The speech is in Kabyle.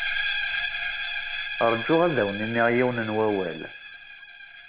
Ṛju ad awen-iniɣ yiwen n wawal.